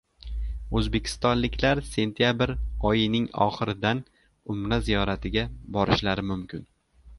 O‘zbekistonliklar Sentyabr oyining oxiridan umra ziyoratiga borishlari mumkin